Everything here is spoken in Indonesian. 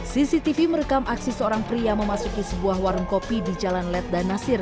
cctv merekam aksi seorang pria memasuki sebuah warung kopi di jalan led dan nasir